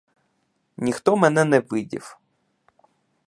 Ніхто мене не видів.